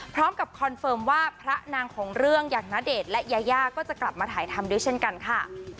คอนเฟิร์มว่าพระนางของเรื่องอย่างณเดชน์และยายาก็จะกลับมาถ่ายทำด้วยเช่นกันค่ะ